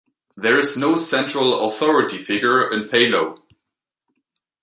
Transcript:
There is no central authority figure in Palo.